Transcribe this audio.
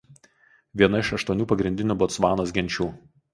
Viena iš aštuonių pagrindinių Botsvanos genčių.